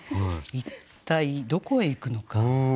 一体どこへ行くのか。